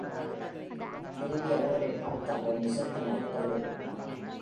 திரும்பி அவர்களைப் பார்த்தாலோ, நிசப்தமாய்ப் போய்விடும்!